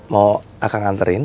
mau akan nganterin